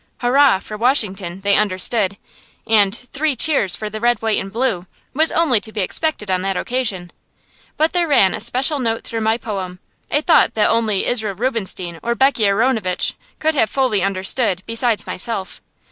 "Hurrah for Washington!" they understood, and "Three cheers for the Red, White, and Blue!" was only to be expected on that occasion. But there ran a special note through my poem a thought that only Israel Rubinstein or Beckie Aronovitch could have fully understood, besides myself.